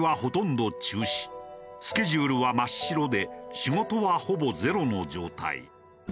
スケジュールは真っ白で仕事はほぼゼロの状態。